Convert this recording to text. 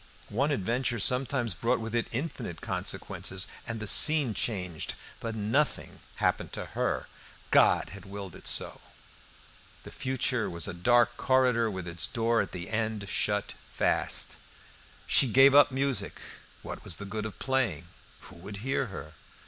One adventure sometimes brought with it infinite consequences and the scene changed. But nothing happened to her; God had willed it so! The future was a dark corridor, with its door at the end shut fast. She gave up music. What was the good of playing? Who would hear her?